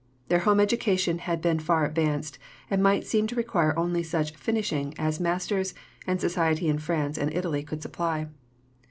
Their home education had been far advanced, and might seem to require only such "finishing" as masters and society in France and Italy could supply.